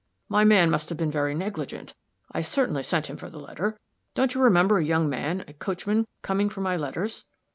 My man must have been very negligent; I certainly sent him for the letter. Don't you remember a young man, a coachman, coming for my letters?"